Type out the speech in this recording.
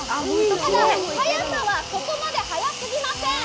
速さはそこまで速すぎません。